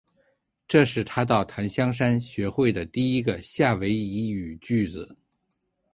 这是他到檀香山学会的第一个夏威夷语句子。